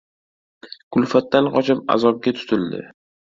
• Kulfatdan qochib, azobga tutildi.